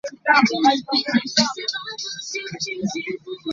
The north east has purple rhyodacite from the Deakin Volcanics.